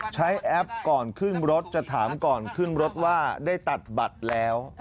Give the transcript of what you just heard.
แอปก่อนขึ้นรถจะถามก่อนขึ้นรถว่าได้ตัดบัตรแล้ว